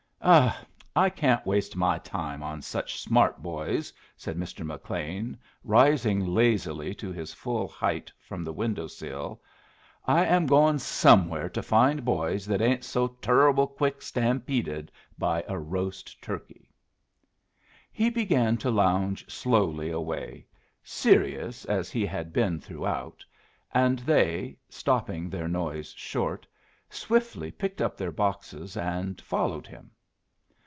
"I can't waste my time on such smart boys," said Mr. McLean, rising lazily to his full height from the window sill. "I am goin' somewhere to find boys that ain't so turruble quick stampeded by a roast turkey." He began to lounge slowly away, serious as he had been throughout, and they, stopping their noise short, swiftly picked up their boxes, and followed him.